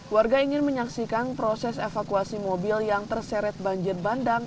warga ingin menyaksikan proses evakuasi mobil yang terseret banjir bandang